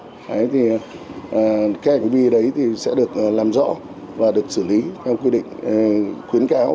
cái hành vi đấy sẽ được làm rõ và được xử lý theo quy định khuyến cáo